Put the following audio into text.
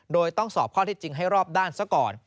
โดยต้องสอบข้อที่จริงให้รอบด้านซะก่อน